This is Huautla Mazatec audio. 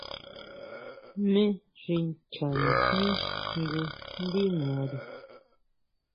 Jmé xi nchanijmí jngu ndí nari.